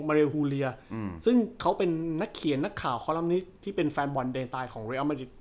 เรลฮูเลียอืมซึ่งเขาเป็นนักเขียนนักข่าวคอลัมนิสที่เป็นแฟนบอลเดนตายของเรียอัมริต